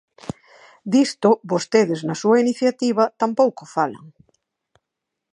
Disto vostedes na súa iniciativa tampouco falan.